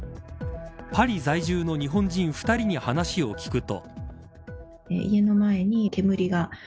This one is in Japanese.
パリ在住の日本人２人に話を聞くと。